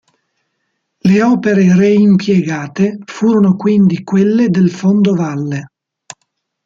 Le opere reimpiegate furono quindi quelle del fondo valle.